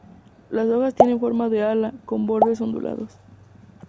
Las hojas tienen forma de ala, con bordes ondulados.